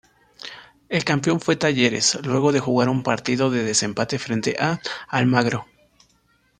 El campeón fue Talleres luego de jugar un partido de desempate frente a Almagro.